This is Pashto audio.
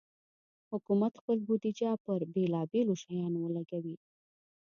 حکومت خپل بودیجه پر بېلابېلو شیانو ولګوي.